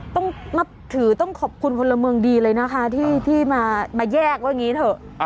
ต้องนับถือต้องขอบคุณพลเมืองดีเลยนะคะที่มาแยกว่าอย่างนี้เถอะ